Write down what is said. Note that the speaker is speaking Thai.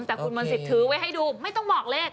แต่คุณมนต์สิทธิถือไว้ให้ดูไม่ต้องบอกเลข